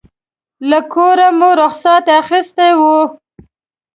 له کوره مو رخصت اخیستی و.